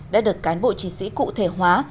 đã được cán bộ chiến sĩ cụ thể hóa